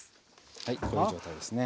はいこういう状態ですね。